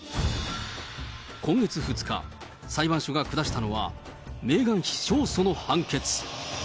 今月２日、裁判所が下したのは、メーガン妃勝訴の判決。